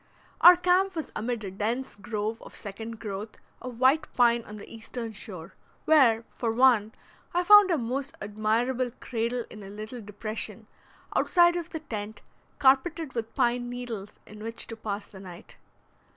Our camp was amid a dense grove of second growth of white pine on the eastern shore, where, for one, I found a most admirable cradle in a little depression, outside of the tent, carpeted with pine needles, in which to pass the night.